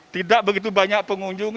tidak begitu banyak pengunjung